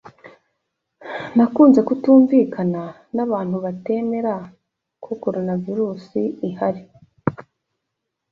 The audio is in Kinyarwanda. Nakunze kutumvikana n’abantu batemera ko Coronavirusi ihari